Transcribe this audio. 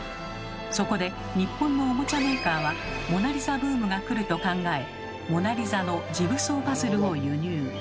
そこで日本のおもちゃメーカーは「モナリザ」ブームが来ると考え「モナリザ」のジグソーパズルを輸入。